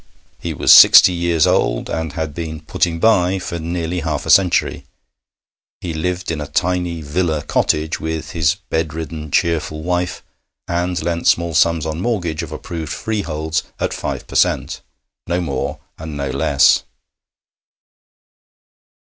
He was sixty years old, and had been 'putting by' for nearly half a century. He lived in a tiny villa cottage with his bed ridden, cheerful wife, and lent small sums on mortgage of approved freeholds at 5 per cent. no more and no less.